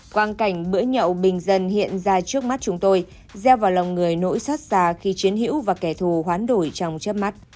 quang cảnh bữa nhậu bình dân hiện ra trước mắt chúng tôi gieo vào lòng người nỗi sát già khi chiến hữu và kẻ thù hoán đổi trong chấp mắt